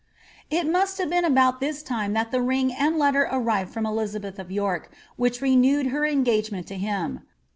* It must have been about this time that the ring and letter arrived frttn Elizabeth of York which renewed her engagement to him.